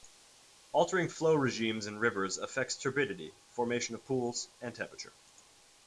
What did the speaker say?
Altering flow regimes in rivers affects turbidity, formation of pools, and temperature.